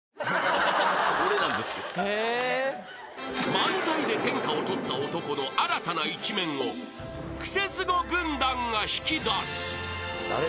［漫才で天下を取った男の新たな一面をクセスゴ軍団が引き出す］